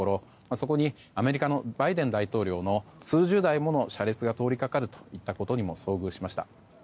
そこにアメリカのバイデン大統領の数十台もの車列が通りかかるといったことにも遭遇しました。